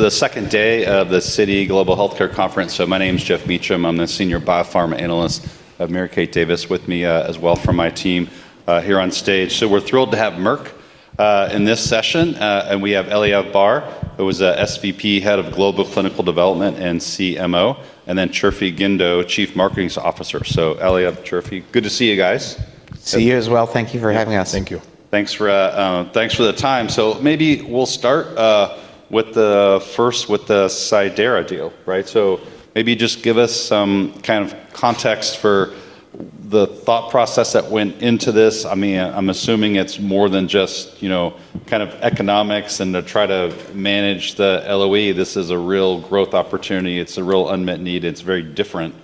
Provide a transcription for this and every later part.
The second day of the Citi Global Healthcare Conference. My name is Geoff Meacham. I'm the Senior Biopharma Analyst and Kate Davis. With me as well from my team here on stage. We're thrilled to have Merck in this session. We have Eliav Barr, who is the SVP, Head of Global Clinical Development and CMO, and then Chirfi Guindo, Chief Marketing Officer. Eliav, Chirfi, good to see you guys. See you as well. Thank you for having us. Thank you. Thanks for the time. So maybe we'll start with the first, with the Cidara deal, right? So maybe just give us some kind of context for the thought process that went into this. I mean, I'm assuming it's more than just, you know, kind of economics and to try to manage the LOE. This is a real growth opportunity. It's a real unmet need. It's very different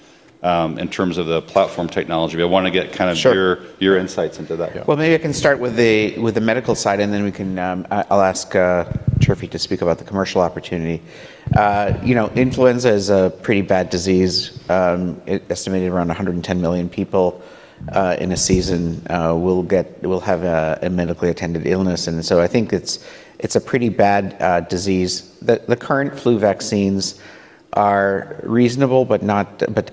in terms of the platform technology. But I want to get kind of your insights into that. Maybe I can start with the medical side, and then I'll ask Chirfi to speak about the commercial opportunity. You know, influenza is a pretty bad disease. It's estimated around 110 million people in a season will have a medically attended illness. And so I think it's a pretty bad disease. The current flu vaccines are reasonable, but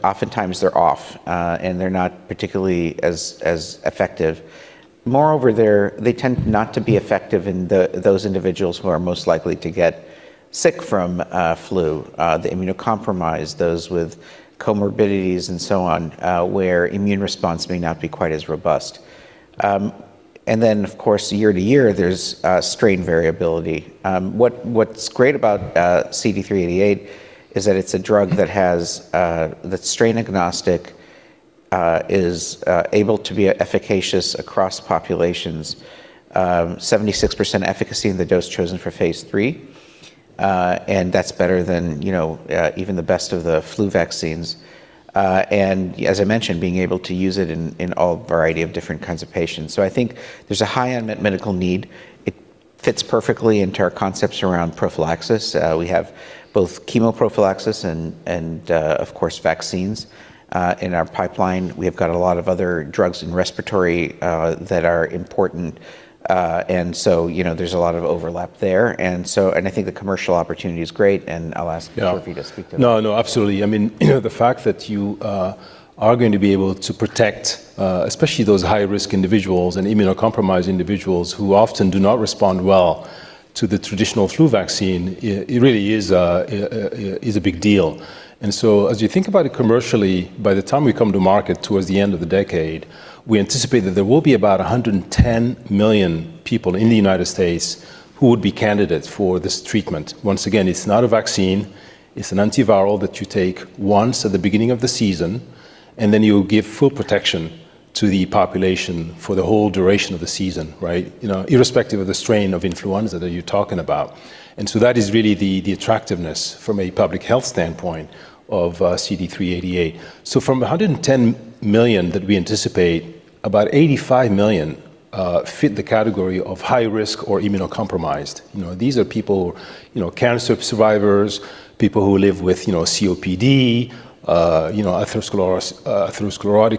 oftentimes they're off, and they're not particularly as effective. Moreover, they tend not to be effective in those individuals who are most likely to get sick from flu, the immunocompromised, those with comorbidities, and so on, where immune response may not be quite as robust. And then, of course, year to year, there's strain variability. What's great about CD388 is that it's a drug that's strain agnostic, is able to be efficacious across populations. 76% efficacy in the dose chosen for phase three. That's better than, you know, even the best of the flu vaccines. And as I mentioned, being able to use it in all variety of different kinds of patients. So I think there's a high unmet medical need. It fits perfectly into our concepts around prophylaxis. We have both chemoprophylaxis and, of course, vaccines in our pipeline. We have got a lot of other drugs in respiratory that are important. And so, you know, there's a lot of overlap there. And so I think the commercial opportunity is great. And I'll ask Chirfi to speak to it. No, no, absolutely. I mean, the fact that you are going to be able to protect, especially those high-risk individuals and immunocompromised individuals who often do not respond well to the traditional flu vaccine, it really is a big deal. And so as you think about it commercially, by the time we come to market towards the end of the decade, we anticipate that there will be about 110 million people in the United States who would be candidates for this treatment. Once again, it's not a vaccine. It's an antiviral that you take once at the beginning of the season, and then you give full protection to the population for the whole duration of the season, right? You know, irrespective of the strain of influenza that you're talking about. And so that is really the attractiveness from a public health standpoint of CD388. So from 110 million that we anticipate, about 85 million fit the category of high risk or immunocompromised. You know, these are people, you know, cancer survivors, people who live with, you know, COPD, you know, atherosclerotic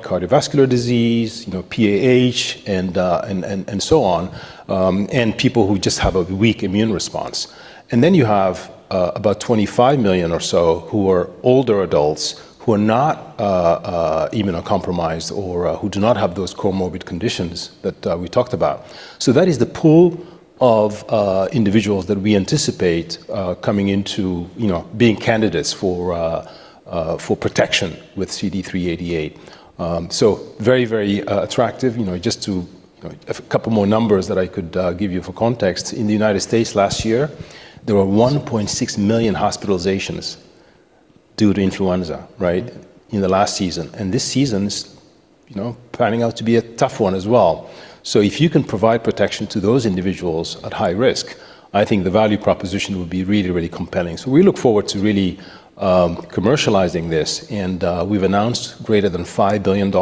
cardiovascular disease, you know, PAH, and so on, and people who just have a weak immune response. And then you have about 25 million or so who are older adults who are not immunocompromised or who do not have those comorbid conditions that we talked about. So that is the pool of individuals that we anticipate coming into, you know, being candidates for protection with CD388. So very, very attractive. You know, just to a couple more numbers that I could give you for context. In the United States last year, there were 1.6 million hospitalizations due to influenza, right, in the last season. And this season is, you know, planning out to be a tough one as well. So if you can provide protection to those individuals at high risk, I think the value proposition would be really, really compelling. So we look forward to really commercializing this. And we've announced greater than $5 billion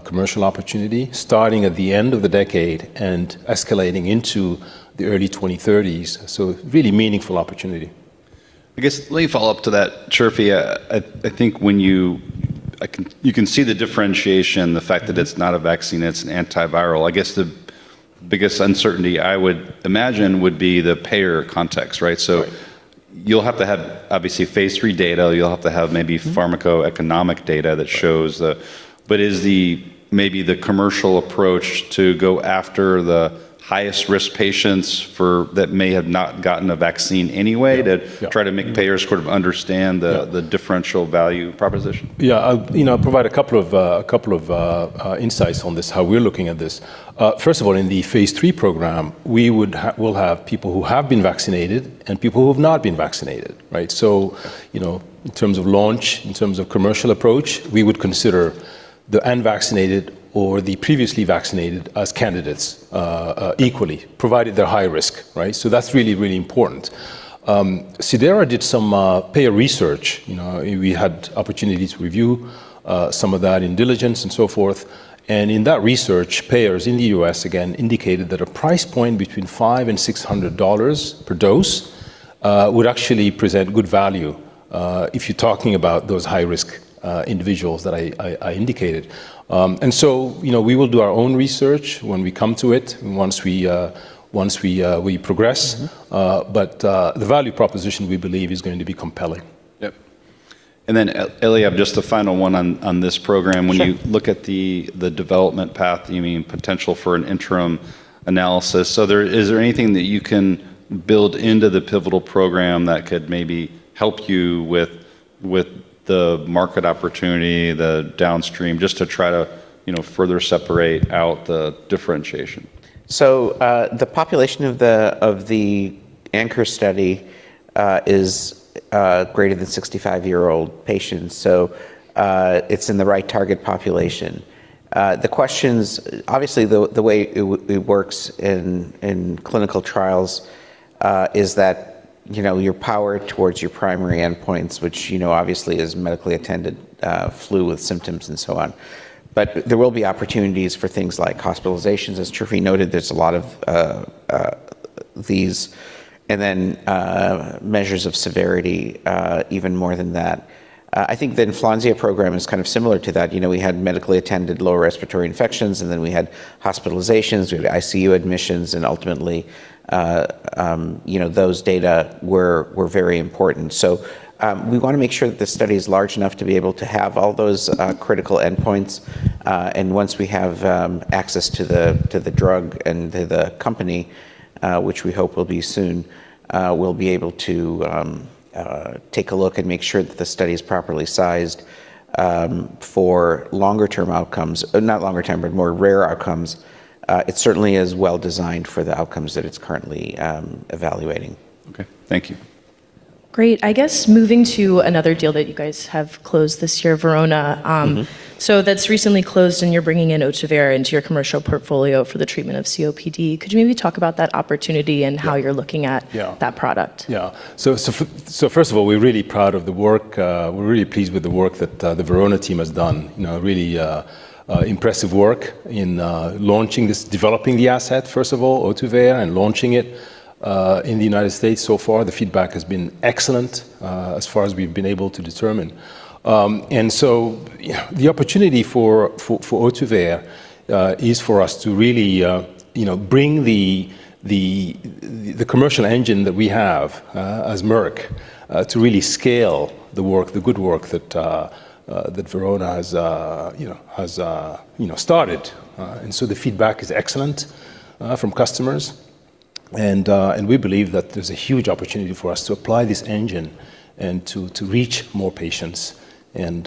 commercial opportunity starting at the end of the decade and escalating into the early 2030s. So really meaningful opportunity. I guess let me follow up to that, Chirfi. I think when you can see the differentiation, the fact that it's not a vaccine, it's an antiviral. I guess the biggest uncertainty I would imagine would be the payer context, right? So you'll have to have obviously phase three data. You'll have to have maybe pharmacoeconomic data that shows the but is maybe the commercial approach to go after the highest risk patients that may have not gotten a vaccine anyway to try to make payers sort of understand the differential value proposition? Yeah, you know, I'll provide a couple of insights on this, how we're looking at this. First of all, in the phase three program, we will have people who have been vaccinated and people who have not been vaccinated, right? So, you know, in terms of launch, in terms of commercial approach, we would consider the unvaccinated or the previously vaccinated as candidates equally, provided they're high risk, right? So that's really, really important. Cidara did some payer research. You know, we had opportunities to review some of that in diligence and so forth. And in that research, payers in the U.S., again, indicated that a price point between $500 and $600 per dose would actually present good value if you're talking about those high-risk individuals that I indicated. And so, you know, we will do our own research when we come to it, once we progress. The value proposition we believe is going to be compelling. Yep. And then, Eliav, just the final one on this program. When you look at the development path, you mean potential for an interim analysis. So is there anything that you can build into the pivotal program that could maybe help you with the market opportunity, the downstream, just to try to, you know, further separate out the differentiation? The population of the ANCHOR study is greater than 65-year-old patients. So it's in the right target population. The questions, obviously, the way it works in clinical trials is that, you know, your power towards your primary endpoints, which, you know, obviously is medically attended flu with symptoms and so on. But there will be opportunities for things like hospitalizations. As Chirfi noted, there's a lot of these. And then measures of severity, even more than that. I think the influenza program is kind of similar to that. You know, we had medically attended lower respiratory infections, and then we had hospitalizations, we had ICU admissions, and ultimately, you know, those data were very important. So we want to make sure that the study is large enough to be able to have all those critical endpoints. Once we have access to the drug and to the company, which we hope will be soon, we'll be able to take a look and make sure that the study is properly sized for longer-term outcomes, not longer-term, but more rare outcomes. It certainly is well designed for the outcomes that it's currently evaluating. Okay, thank you. Great. I guess moving to another deal that you guys have closed this year, Verona. So that's recently closed, and you're bringing in Ohtuvayre into your commercial portfolio for the treatment of COPD. Could you maybe talk about that opportunity and how you're looking at that product? Yeah. So first of all, we're really proud of the work. We're really pleased with the work that the Verona team has done. You know, really impressive work in launching this, developing the asset, first of all, Ohtuvayre, and launching it in the United States so far. The feedback has been excellent as far as we've been able to determine. And so the opportunity for Ohtuvayre is for us to really, you know, bring the commercial engine that we have as Merck to really scale the work, the good work that Verona has, you know, started. And so the feedback is excellent from customers. And we believe that there's a huge opportunity for us to apply this engine and to reach more patients and,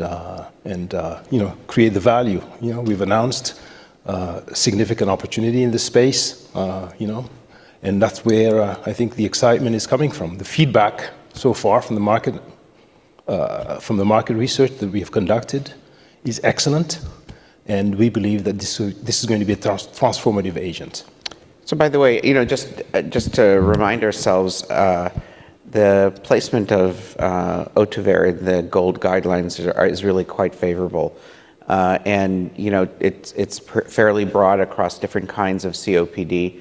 you know, create the value. You know, we've announced a significant opportunity in this space, you know, and that's where I think the excitement is coming from. The feedback so far from the market research that we have conducted is excellent. And we believe that this is going to be a transformative agent. So by the way, you know, just to remind ourselves, the placement of Ohtuvayre, the GOLD guidelines, is really quite favorable. And, you know, it's fairly broad across different kinds of COPD.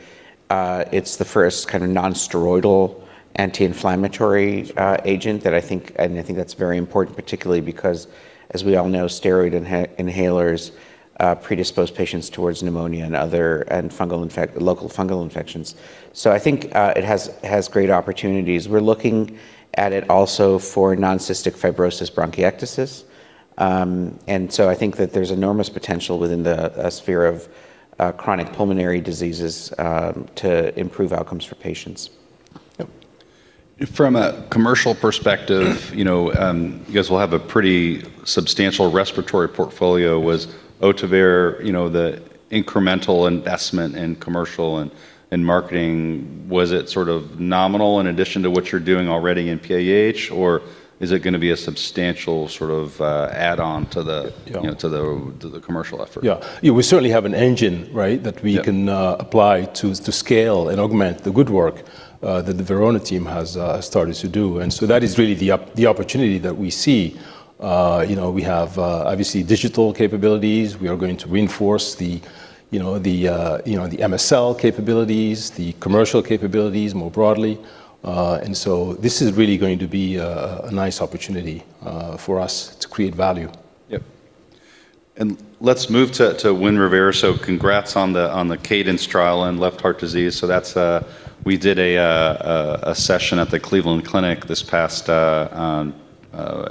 It's the first kind of non-steroidal anti-inflammatory agent that I think, and I think that's very important, particularly because, as we all know, steroid inhalers predispose patients towards pneumonia and other local fungal infections. So I think it has great opportunities. We're looking at it also for non-cystic fibrosis bronchiectasis. And so I think that there's enormous potential within the sphere of chronic pulmonary diseases to improve outcomes for patients. Yep. From a commercial perspective, you know, you guys will have a pretty substantial respiratory portfolio. Was Ohtuvayre, you know, the incremental investment in commercial and marketing, was it sort of nominal in addition to what you're doing already in PAH, or is it going to be a substantial sort of add-on to the commercial effort? Yeah, yeah, we certainly have an engine, right, that we can apply to scale and augment the good work that the Verona team has started to do. And so that is really the opportunity that we see. You know, we have obviously digital capabilities. We are going to reinforce the, you know, the MSL capabilities, the commercial capabilities more broadly. And so this is really going to be a nice opportunity for us to create value. Yep, and let's move to WINREVAIR. So congrats on the CADENCE trial in left heart disease. So that's, we did a session at the Cleveland Clinic this past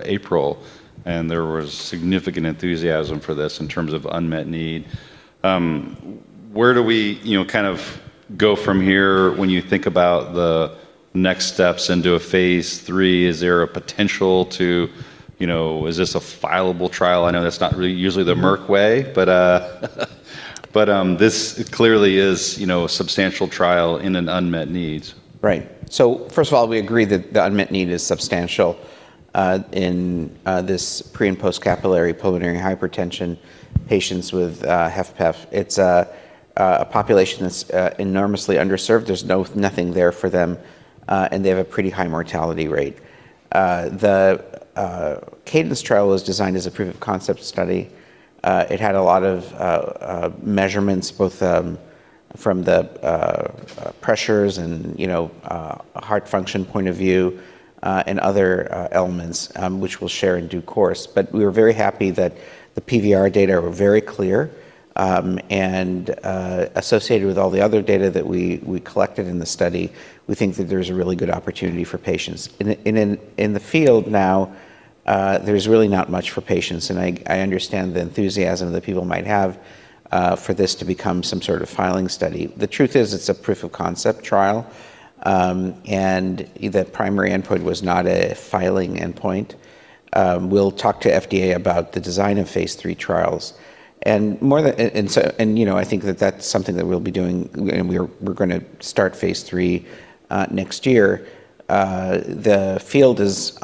April, and there was significant enthusiasm for this in terms of unmet need. Where do we, you know, kind of go from here when you think about the next steps into a phase three? Is there a potential to, you know, is this a filable trial? I know that's not really usually the Merck way, but this clearly is, you know, a substantial trial in an unmet need. Right. So first of all, we agree that the unmet need is substantial in this pre- and post-capillary pulmonary hypertension patients with HFpEF. It's a population that's enormously underserved. There's nothing there for them. And they have a pretty high mortality rate. The CADENCE trial was designed as a proof of concept study. It had a lot of measurements, both from the pressures and, you know, heart function point of view and other elements, which we'll share in due course. But we were very happy that the PVR data were very clear and associated with all the other data that we collected in the study. We think that there's a really good opportunity for patients. In the field now, there's really not much for patients. And I understand the enthusiasm that people might have for this to become some sort of filing study. The truth is it's a proof of concept trial. The primary endpoint was not a filing endpoint. We'll talk to FDA about the design of phase three trials. More than, you know, I think that that's something that we'll be doing. We're going to start phase three next year. The field is,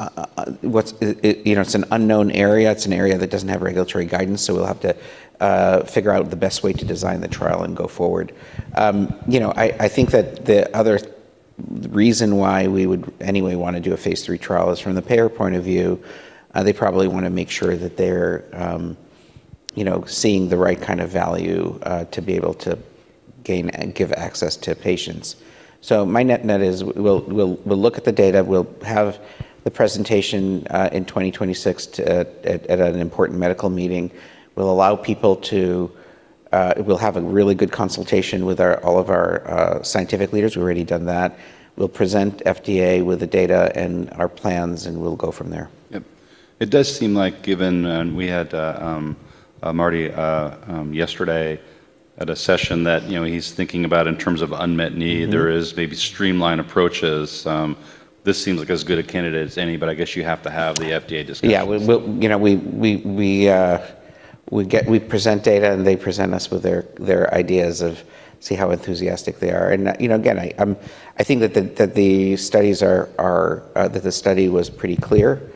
you know, it's an unknown area. It's an area that doesn't have regulatory guidance. We'll have to figure out the best way to design the trial and go forward. You know, I think that the other reason why we would anyway want to do a phase three trial is from the payer point of view. They probably want to make sure that they're, you know, seeing the right kind of value to be able to gain and give access to patients. My net net is we'll look at the data. We'll have the presentation in 2026 at an important medical meeting. We'll allow people to, we'll have a really good consultation with all of our scientific leaders. We've already done that. We'll present FDA with the data and our plans, and we'll go from there. Yep. It does seem like given, and we had Marty yesterday at a session that, you know, he's thinking about in terms of unmet need, there is maybe streamlined approaches. This seems like as good a candidate as any, but I guess you have to have the FDA discussion. Yeah, you know, we present data and they present us with their ideas. See how enthusiastic they are. And, you know, again, I think that the study was pretty clear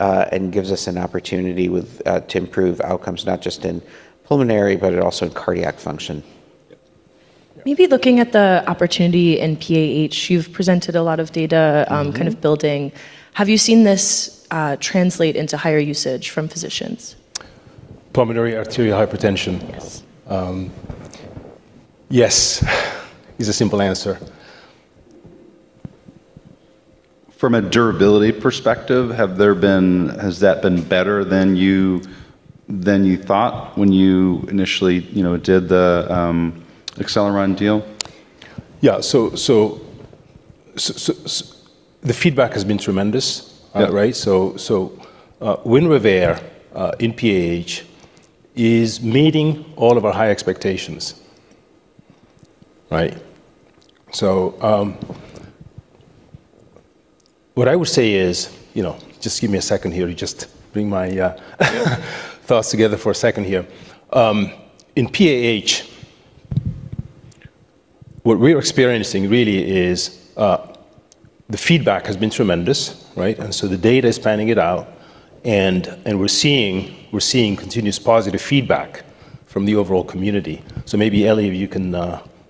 and gives us an opportunity to improve outcomes, not just in pulmonary, but also in cardiac function. Maybe looking at the opportunity in PAH, you've presented a lot of data kind of building. Have you seen this translate into higher usage from physicians? Pulmonary arterial hypertension. Yes. Is a simple answer. From a durability perspective, have there been, has that been better than you thought when you initially, you know, did the Acceleron deal? Yeah, so the feedback has been tremendous, right? So WINREVAIR in PAH is meeting all of our high expectations, right? So what I would say is, you know, just give me a second here. Just bring my thoughts together for a second here. In PAH, what we're experiencing really is the feedback has been tremendous, right? And so the data is panning it out. And we're seeing continuous positive feedback from the overall community. So maybe Eliav, you can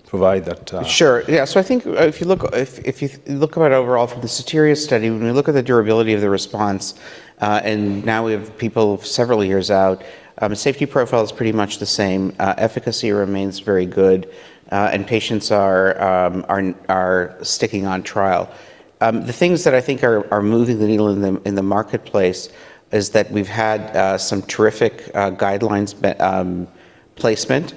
provide that. Sure. Yeah. So I think if you look at overall from the STELLAR study, when we look at the durability of the response, and now we have people several years out, the safety profile is pretty much the same. Efficacy remains very good. And patients are sticking on trial. The things that I think are moving the needle in the marketplace is that we've had some terrific guidelines placement.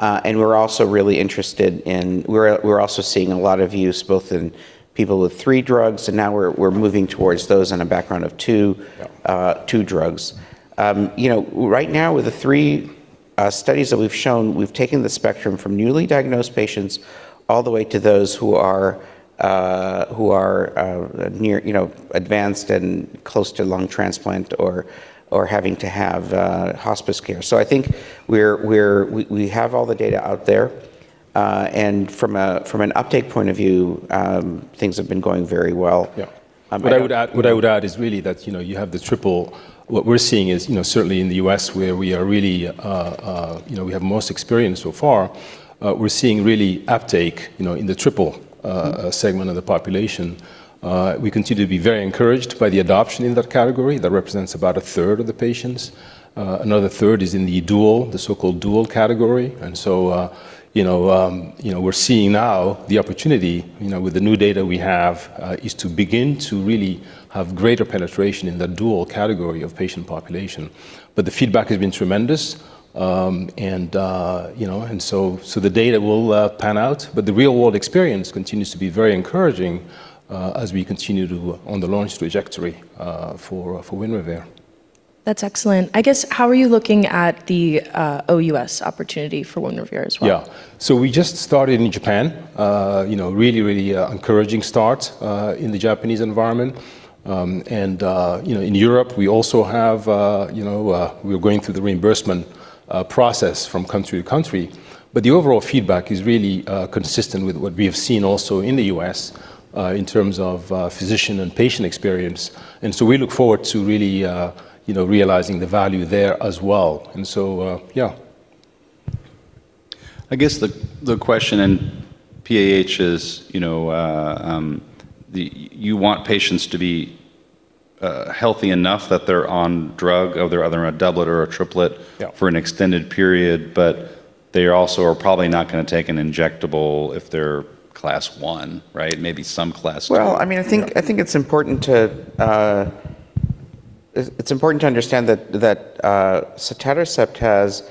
And we're also really interested in, we're also seeing a lot of use both in people with three drugs. And now we're moving towards those on a background of two drugs. You know, right now with the three studies that we've shown, we've taken the spectrum from newly diagnosed patients all the way to those who are near, you know, advanced and close to lung transplant or having to have hospice care. I think we have all the data out there. From an uptake point of view, things have been going very well. Yeah. What I would add is really that, you know, you have the triple. What we're seeing is, you know, certainly in the U.S., where we are really, you know, we have most experience so far, we're seeing really uptake, you know, in the triple segment of the population. We continue to be very encouraged by the adoption in that category that represents about a third of the patients. Another third is in the dual, the so-called dual category. And so, you know, we're seeing now the opportunity, you know, with the new data we have is to begin to really have greater penetration in the dual category of patient population. But the feedback has been tremendous. And, you know, and so the data will pan out. But the real-world experience continues to be very encouraging as we continue to on the launch trajectory for WINREVAIR. That's excellent. I guess how are you looking at the OUS opportunity for WINREVAIR as well? Yeah. So we just started in Japan, you know, really, really encouraging start in the Japanese environment. And, you know, in Europe, we also have, you know, we're going through the reimbursement process from country to country. But the overall feedback is really consistent with what we have seen also in the U.S. in terms of physician and patient experience. And so we look forward to really, you know, realizing the value there as well. And so, yeah. I guess the question in PAH is, you know, you want patients to be healthy enough that they're on drug, whether they're on a doublet or a triplet for an extended period. But they also are probably not going to take an injectable if they're class one, right? Maybe some class two. I mean, I think it's important to understand that sotatercept has,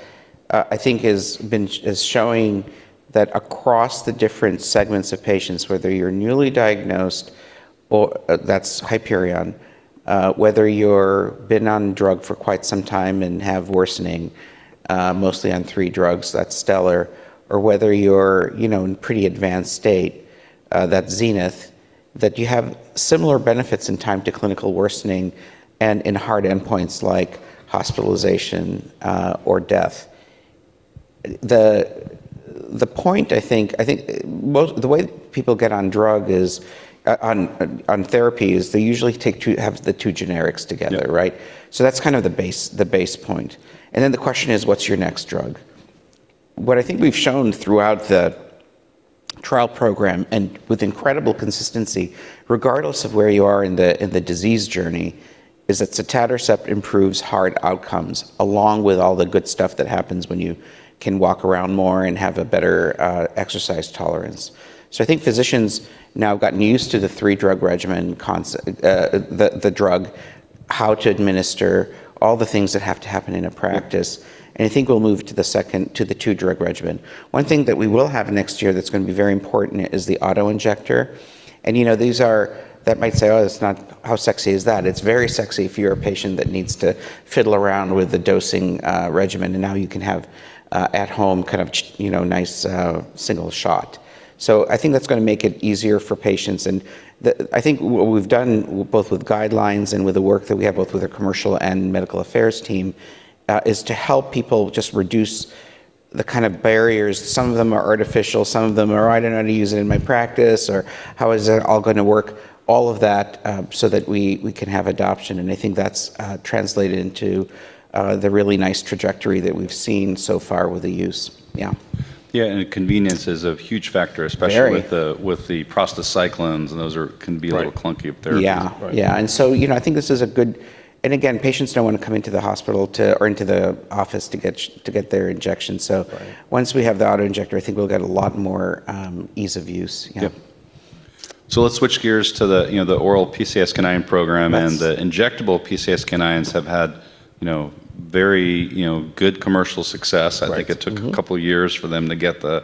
I think, been showing that across the different segments of patients, whether you're newly diagnosed, that's Hyperion, whether you've been on drug for quite some time and have worsening mostly on three drugs, that's STELLAR, or whether you're, you know, in pretty advanced state, that's ZENITH, that you have similar benefits in time to clinical worsening and in hard endpoints like hospitalization or death. The point is, I think, the way people get on drug or on therapy is they usually take the two generics together, right? So that's kind of the base point, and then the question is, what's your next drug? What I think we've shown throughout the trial program and with incredible consistency, regardless of where you are in the disease journey, is that sotatercept improves heart outcomes along with all the good stuff that happens when you can walk around more and have a better exercise tolerance. So I think physicians now have gotten used to the three drug regimen, the drug, how to administer, all the things that have to happen in a practice. And I think we'll move to the second, to the two drug regimen. One thing that we will have next year that's going to be very important is the auto injector. And, you know, these are, that might say, oh, it's not, how sexy is that? It's very sexy if you're a patient that needs to fiddle around with the dosing regimen. And now you can have at home kind of, you know, nice single shot. So I think that's going to make it easier for patients. And I think what we've done both with guidelines and with the work that we have both with the commercial and medical affairs team is to help people just reduce the kind of barriers. Some of them are artificial. Some of them are, I don't know how to use it in my practice or how is it all going to work, all of that so that we can have adoption. And I think that's translated into the really nice trajectory that we've seen so far with the use. Yeah. Yeah. And convenience is a huge factor, especially with the prostacyclins. And those can be a little clunky if they're. Yeah. Yeah. And so, you know, I think this is a good, and again, patients don't want to come into the hospital or into the office to get their injection. So once we have the auto-injector, I think we'll get a lot more ease of use. Yep. So let's switch gears to the, you know, the oral PCSK9 program. And the injectable PCSK9s have had, you know, very, you know, good commercial success. I think it took a couple of years for them to get the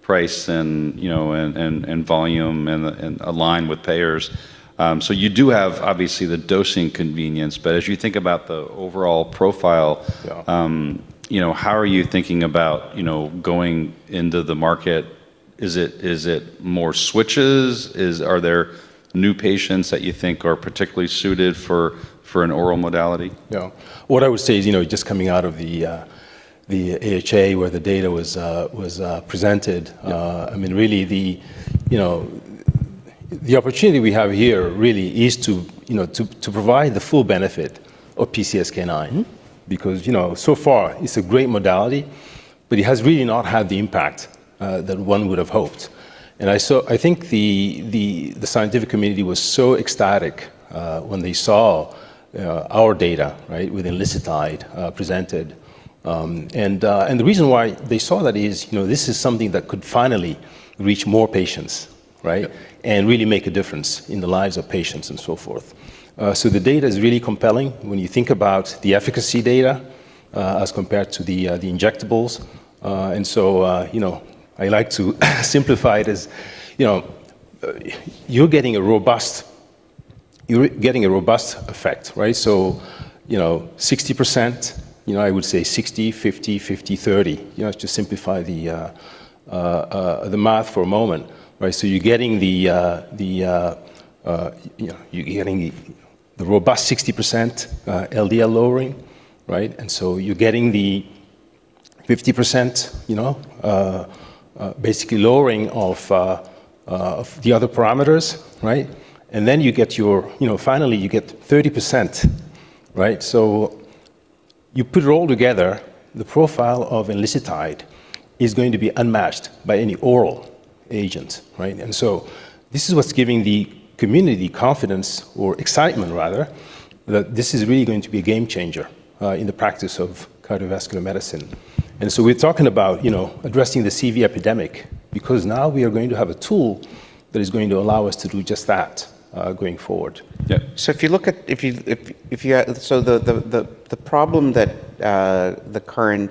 price and, you know, and volume and align with payers. So you do have obviously the dosing convenience. But as you think about the overall profile, you know, how are you thinking about, you know, going into the market? Is it more switches? Are there new patients that you think are particularly suited for an oral modality? Yeah. What I would say is, you know, just coming out of the AHA where the data was presented, I mean, really the, you know, the opportunity we have here really is to, you know, to provide the full benefit of PCSK9. Because, you know, so far it's a great modality, but it has really not had the impact that one would have hoped. And I think the scientific community was so ecstatic when they saw our data, right, within Enlicitide presented. And the reason why they saw that is, you know, this is something that could finally reach more patients, right? And really make a difference in the lives of patients and so forth. So the data is really compelling when you think about the efficacy data as compared to the injectables. And so, you know, I like to simplify it as, you know, you're getting a robust, you're getting a robust effect, right? So, you know, 60%, you know, I would say 60%, 50%, 50%, 30%, you know, to simplify the math for a moment, right? So you're getting the, you know, you're getting the robust 60% LDL lowering, right? And so you're getting the 50%, you know, basically lowering of the other parameters, right? And then you get your, you know, finally you get 30%, right? So you put it all together, the profile of MK-0616 is going to be unmatched by any oral agent, right? And so this is what's giving the community confidence or excitement rather that this is really going to be a game changer in the practice of cardiovascular medicine. And so we're talking about, you know, addressing the CV epidemic because now we are going to have a tool that is going to allow us to do just that going forward. Yeah. So if you look at the problem that the current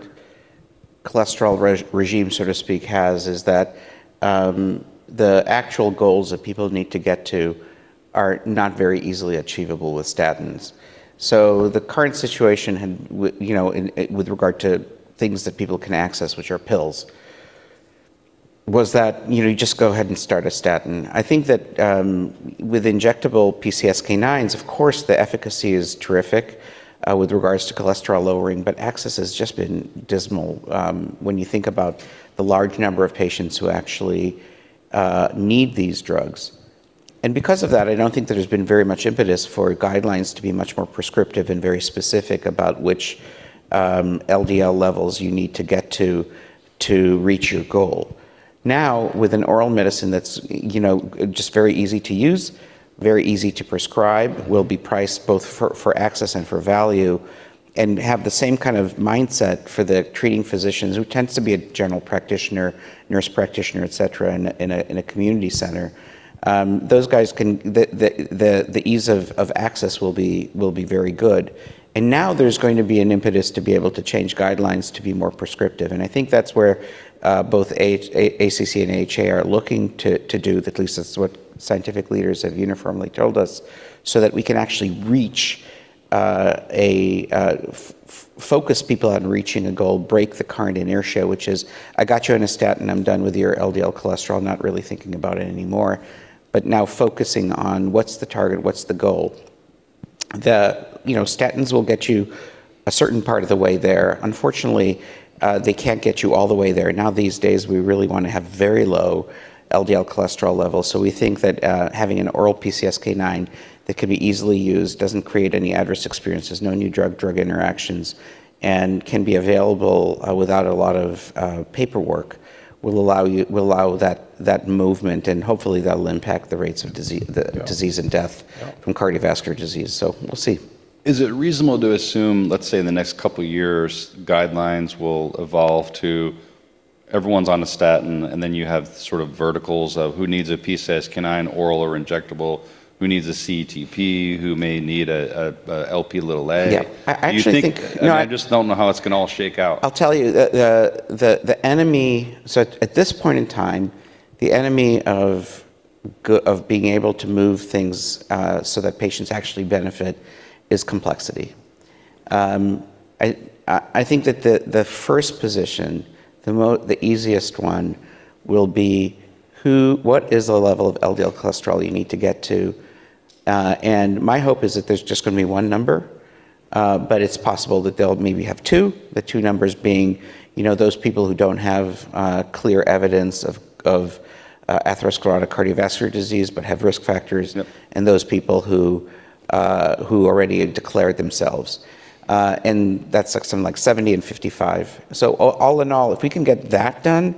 cholesterol regimen, so to speak, has is that the actual goals that people need to get to are not very easily achievable with statins. So the current situation had, you know, with regard to things that people can access, which are pills, was that, you know, you just go ahead and start a statin. I think that with injectable PCSK9s, of course, the efficacy is terrific with regards to cholesterol lowering, but access has just been dismal when you think about the large number of patients who actually need these drugs. And because of that, I don't think there's been very much impetus for guidelines to be much more prescriptive and very specific about which LDL levels you need to get to to reach your goal. Now with an oral medicine that's, you know, just very easy to use, very easy to prescribe, will be priced both for access and for value and have the same kind of mindset for the treating physicians who tends to be a general practitioner, nurse practitioner, et cetera, in a community center. Those guys can, the ease of access will be very good. And now there's going to be an impetus to be able to change guidelines to be more prescriptive. And I think that's where both ACC and AHA are looking to do, at least that's what scientific leaders have uniformly told us, so that we can actually reach a focus people on reaching a goal, break the current inertia, which is I got you on a statin, I'm done with your LDL cholesterol, not really thinking about it anymore. But now focusing on what's the target, what's the goal. The, you know, statins will get you a certain part of the way there. Unfortunately, they can't get you all the way there. Now these days we really want to have very low LDL cholesterol levels. So we think that having an oral PCSK9 that can be easily used doesn't create any adverse experiences, no new drug-drug interactions, and can be available without a lot of paperwork will allow that movement. And hopefully that will impact the rates of disease and death from cardiovascular disease. So we'll see. Is it reasonable to assume, let's say in the next couple of years, guidelines will evolve to everyone's on a statin and then you have sort of verticals of who needs a PCSK9, oral or injectable, who needs a CETP, who may need an Lp(a)? Yeah. I actually think. I just don't know how it's going to all shake out. I'll tell you that the enemy, so at this point in time, the enemy of being able to move things so that patients actually benefit is complexity. I think that the first position, the easiest one will be who, what is the level of LDL cholesterol you need to get to? And my hope is that there's just going to be one number, but it's possible that they'll maybe have two, the two numbers being, you know, those people who don't have clear evidence of atherosclerotic cardiovascular disease, but have risk factors, and those people who already declared themselves. And that's like something like 70 and 55. So all in all, if we can get that done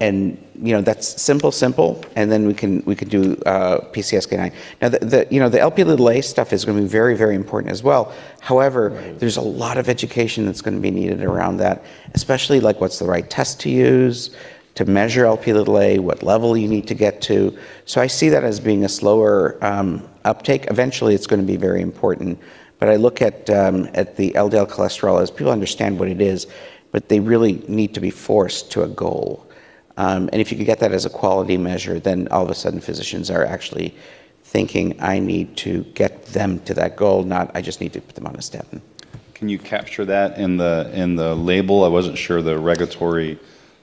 and, you know, that's simple, simple, and then we can do PCSK9. Now, you know, the Lp(a) stuff is going to be very, very important as well. However, there's a lot of education that's going to be needed around that, especially like what's the right test to use to measure Lp(a), what level you need to get to. So I see that as being a slower uptake. Eventually it's going to be very important. But I look at the LDL cholesterol as people understand what it is, but they really need to be forced to a goal. And if you can get that as a quality measure, then all of a sudden physicians are actually thinking, I need to get them to that goal, not I just need to put them on a statin. Can you capture that in the label? I wasn't sure the regulatory,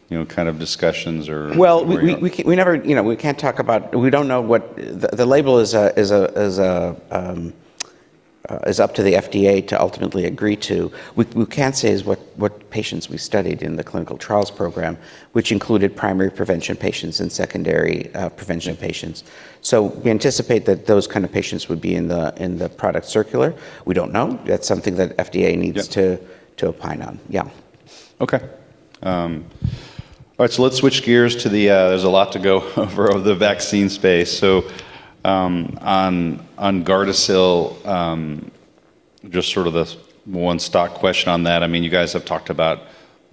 you know, kind of discussions or. We never, you know, we can't talk about, we don't know what the label is up to the FDA to ultimately agree to. What we can say is what patients we studied in the clinical trials program, which included primary prevention patients and secondary prevention patients. We anticipate that those kind of patients would be in the product circular. We don't know. That's something that FDA needs to opine on. Yeah. Okay. All right. So let's switch gears to the, there's a lot to go over of the vaccine space. So on Gardasil, just sort of the one stock question on that. I mean, you guys have talked about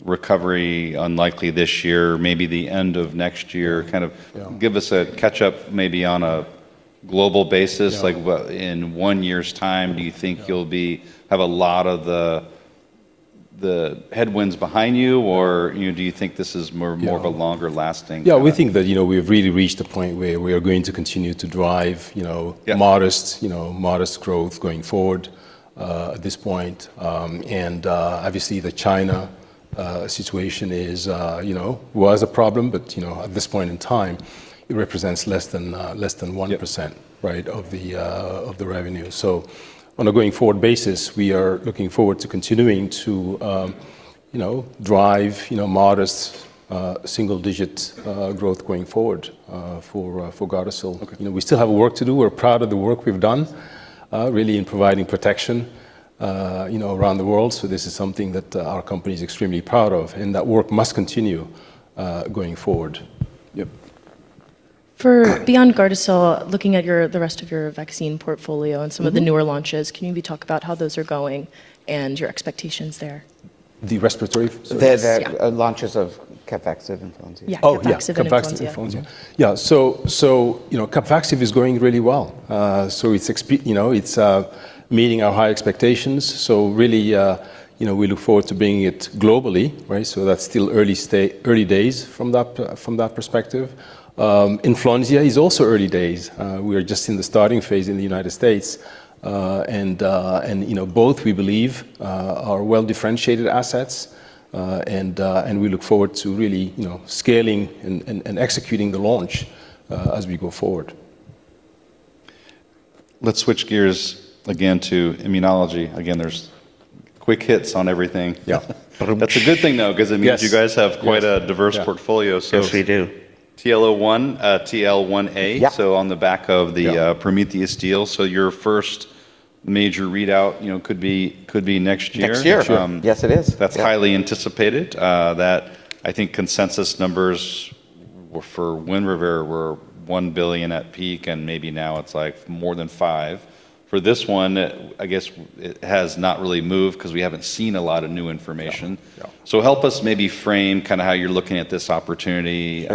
recovery unlikely this year, maybe the end of next year, kind of give us a catch up maybe on a global basis. Like in one year's time, do you think you'll have a lot of the headwinds behind you or do you think this is more of a longer lasting? Yeah. We think that, you know, we've really reached a point where we are going to continue to drive, you know, modest, you know, modest growth going forward at this point, and obviously the China situation is, you know, was a problem, but, you know, at this point in time, it represents less than 1%, right, of the revenue, so on a going forward basis, we are looking forward to continuing to, you know, drive, you know, modest single digit growth going forward for Gardasil. You know, we still have work to do. We're proud of the work we've done really in providing protection, you know, around the world. So this is something that our company is extremely proud of and that work must continue going forward. Yep. For beyond Gardasil, looking at the rest of your vaccine portfolio and some of the newer launches, can you maybe talk about how those are going and your expectations there? The respiratory? The launches of CAPVAXIVE. Oh, yeah. CAPVAXIVE. Yeah. So, you know, CAPVAXIVE is going really well. So it's, you know, it's meeting our high expectations. So really, you know, we look forward to bringing it globally, right? So that's still early days from that perspective. Influenza is also early days. We are just in the starting phase in the United States. And, you know, both we believe are well differentiated assets. And we look forward to really, you know, scaling and executing the launch as we go forward. Let's switch gears again to immunology. Again, there's quick hits on everything. Yeah. That's a good thing though, because it means you guys have quite a diverse portfolio. Yes, we do. TL1A, TL1A. So on the back of the Prometheus deal. So your first major readout, you know, could be next year. Next year. Yes, it is. That's highly anticipated. That, I think, consensus numbers for WINREVAIR were $1 billion at peak and maybe now it's like more than $5 billion. For this one, I guess it has not really moved because we haven't seen a lot of new information. Help us maybe frame kind of how you're looking at this opportunity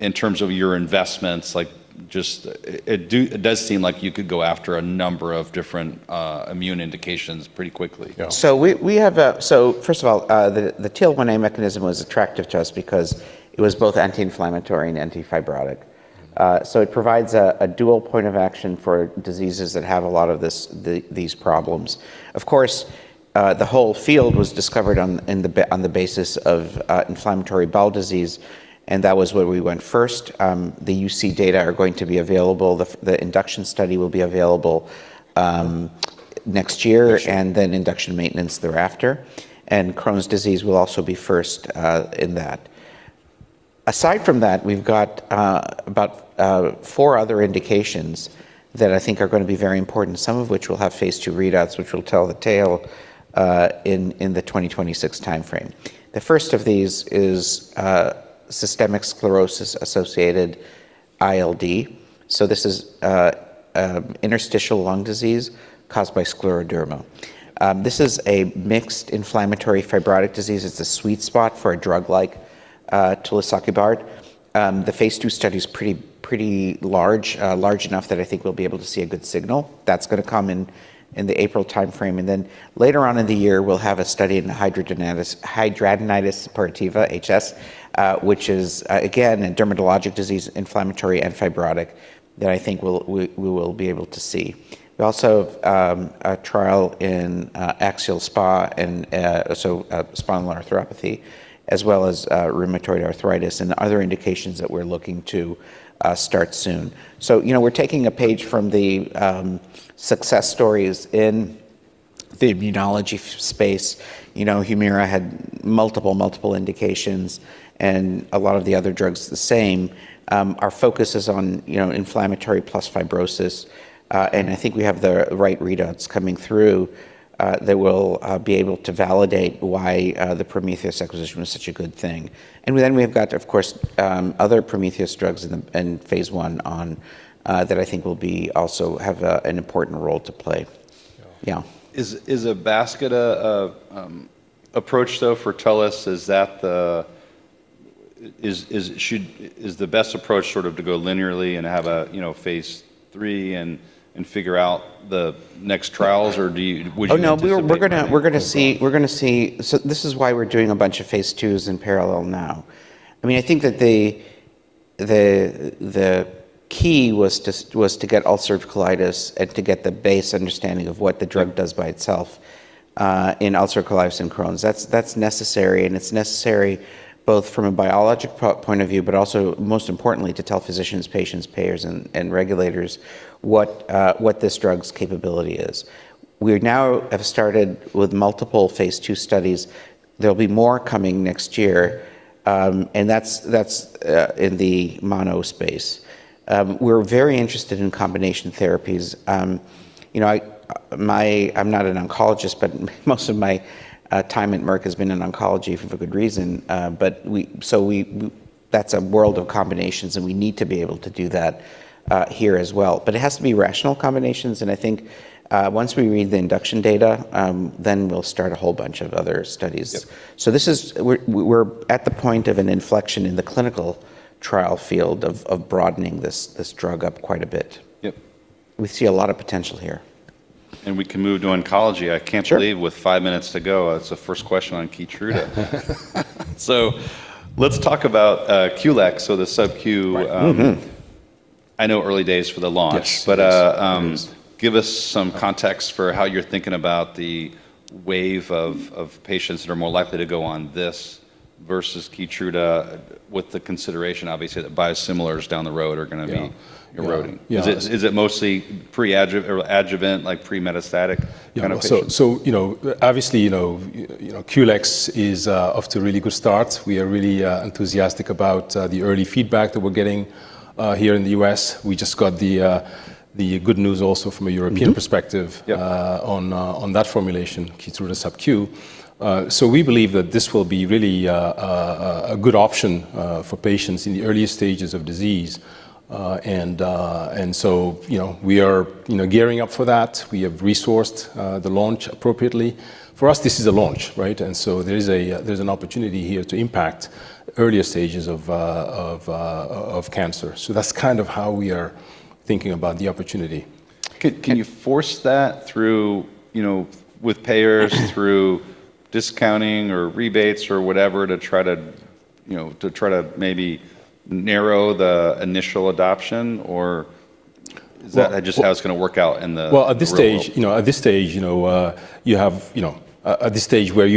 in terms of your investments. Like, just it does seem like you could go after a number of different immune indications pretty quickly. First of all, the TL1A mechanism was attractive to us because it was both anti-inflammatory and antifibrotic, so it provides a dual point of action for diseases that have a lot of these problems. Of course, the whole field was discovered on the basis of inflammatory bowel disease, and that was where we went first. The UC data are going to be available. The induction study will be available next year, and then induction maintenance thereafter, and Crohn's disease will also be first in that. Aside from that, we've got about four other indications that I think are going to be very important, some of which will have phase two readouts, which will tell the tale in the 2026 timeframe. The first of these is systemic sclerosis-associated ILD, so this is interstitial lung disease caused by scleroderma. This is a mixed inflammatory fibrotic disease. It's a sweet spot for a drug like Tulisokibart. The phase two study is pretty large, large enough that I think we'll be able to see a good signal. That's going to come in the April timeframe. And then later on in the year, we'll have a study in the hidradenitis suppurativa HS, which is again a dermatologic disease, inflammatory and fibrotic that I think we will be able to see. We also have a trial in axial SpA and spondyloarthropathy, as well as rheumatoid arthritis and other indications that we're looking to start soon, so you know, we're taking a page from the success stories in the immunology space. You know, Humira had multiple, multiple indications and a lot of the other drugs the same. Our focus is on, you know, inflammatory plus fibrosis. And I think we have the right readouts coming through that will be able to validate why the Prometheus acquisition was such a good thing. And then we've got, of course, other Prometheus drugs in phase one that I think will also have an important role to play. Yeah. Is a basket approach though for Tellus, is the best approach sort of to go linearly and have a, you know, phase three and figure out the next trials or do you? Oh, no, we're going to see. So this is why we're doing a bunch of phase twos in parallel now. I mean, I think that the key was to get ulcerative colitis and to get the base understanding of what the drug does by itself in ulcerative colitis and Crohn's. That's necessary and it's necessary both from a biologic point of view, but also most importantly to tell physicians, patients, payers, and regulators what this drug's capability is. We now have started with multiple phase two studies. There'll be more coming next year, and that's in the mono space. We're very interested in combination therapies. You know, I'm not an oncologist, but most of my time at Merck has been in oncology for a good reason, but so that's a world of combinations and we need to be able to do that here as well. But it has to be rational combinations. And I think once we read the induction data, then we'll start a whole bunch of other studies. So this is. We're at the point of an inflection in the clinical trial field of broadening this drug up quite a bit. We see a lot of potential here. We can move to oncology. I can't believe with five minutes to go, it's the first question on Keytruda. So let's talk about QLEX, so the sub Q. I know early days for the launch, but give us some context for how you're thinking about the wave of patients that are more likely to go on this versus Keytruda with the consideration obviously that biosimilars down the road are going to be eroding. Is it mostly pre-adjuvant, like pre-metastatic kind of patients? You know, obviously, you know, QLEX is off to a really good start. We are really enthusiastic about the early feedback that we're getting here in the U.S. We just got the good news also from a European perspective on that formulation, Keytruda sub Q. We believe that this will be really a good option for patients in the earliest stages of disease. You know, we are, you know, gearing up for that. We have resourced the launch appropriately. For us, this is a launch, right? There is an opportunity here to impact earlier stages of cancer. That's kind of how we are thinking about the opportunity. Can you force that through, you know, with payers, through discounting or rebates or whatever to try to, you know, to try to maybe narrow the initial adoption or is that just how it's going to work out in the? At this stage, you know, you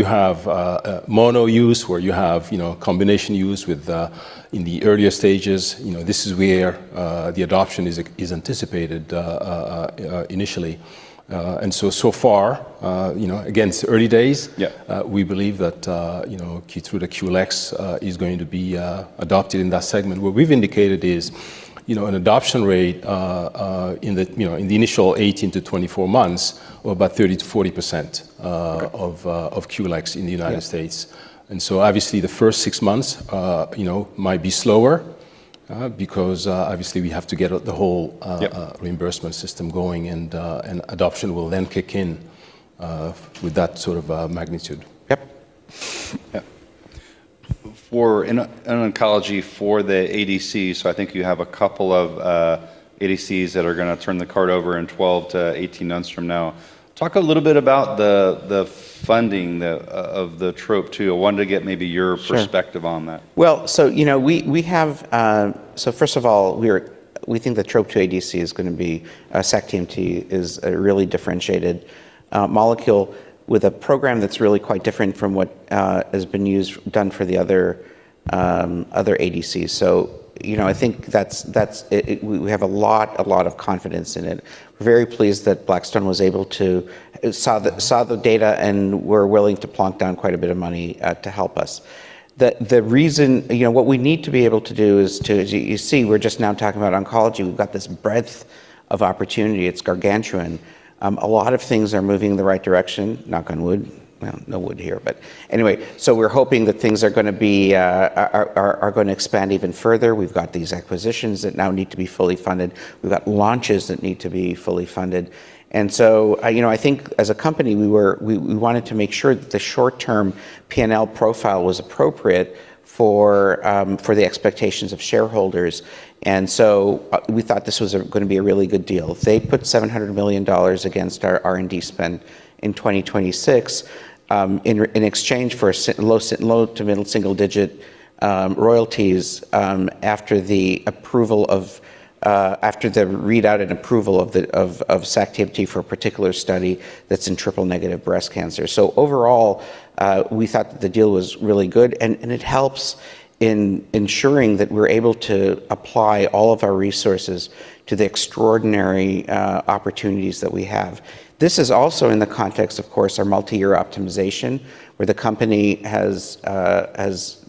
have mono use, where you have combination use within the earlier stages, you know, this is where the adoption is anticipated initially. And so, so far, you know, it's early days, we believe that, you know, subcutaneous Keytruda is going to be adopted in that segment. What we've indicated is, you know, an adoption rate in the initial 18-24 months or about 30%-40% of subcutaneous Keytruda in the United States. And so obviously the first six months, you know, might be slower because obviously we have to get the whole reimbursement system going and adoption will then kick in with that sort of magnitude. Yep. For oncology for the ADC, so I think you have a couple of ADCs that are going to turn the corner in 12-18 months from now. Talk a little bit about the funding of the TROP2. I wanted to get maybe your perspective on that. You know, we have, so first of all, we think the TROP2 ADC is going to be a Sac-TMT, is a really differentiated molecule with a program that's really quite different from what has been used and done for the other ADCs. You know, I think that's, we have a lot, a lot of confidence in it. We're very pleased that Blackstone was able to see the data and were willing to plunk down quite a bit of money to help us. The reason, you know, what we need to be able to do is to, you see, we're just now talking about oncology. We've got this breadth of opportunity. It's gargantuan. A lot of things are moving in the right direction. Knock on wood. No wood here, but anyway, we're hoping that things are going to be, are going to expand even further. We've got these acquisitions that now need to be fully funded. We've got launches that need to be fully funded. And so, you know, I think as a company, we wanted to make sure that the short-term P&L profile was appropriate for the expectations of shareholders. And so we thought this was going to be a really good deal. They put $700 million against our R&D spend in 2026 in exchange for low- to mid-single-digit royalties after the approval of, after the readout and approval of Sac-TMT for a particular study that's in triple-negative breast cancer. So overall, we thought that the deal was really good and it helps in ensuring that we're able to apply all of our resources to the extraordinary opportunities that we have. This is also in the context, of course, our multi-year optimization where the company has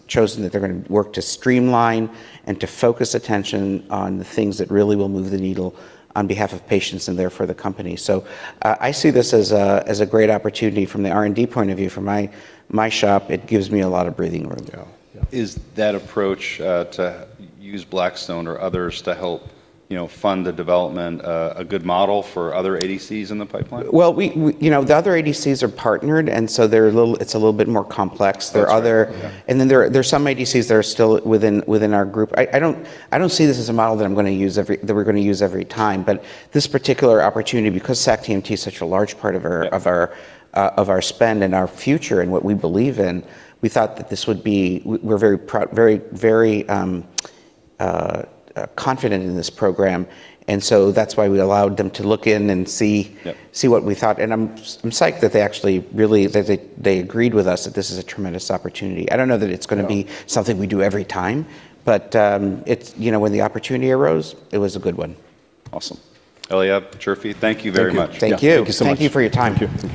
chosen that they're going to work to streamline and to focus attention on the things that really will move the needle on behalf of patients and therefore the company. So I see this as a great opportunity from the R&D point of view for my shop. It gives me a lot of breathing room. Is that approach to use Blackstone or others to help, you know, fund the development a good model for other ADCs in the pipeline? You know, the other ADCs are partnered and so they're a little, it's a little bit more complex. There are other, and then there are some ADCs that are still within our group. I don't see this as a model that I'm going to use, that we're going to use every time, but this particular opportunity, because Sac-TMT is such a large part of our spend and our future and what we believe in, we thought that this would be, we're very, very, very confident in this program. And so that's why we allowed them to look in and see what we thought. And I'm psyched that they actually really, that they agreed with us that this is a tremendous opportunity. I don't know that it's going to be something we do every time, but it's, you know, when the opportunity arose, it was a good one. Awesome. Eliav, Chirfi, thank you very much. Thank you. Thank you so much. Thank you for your time.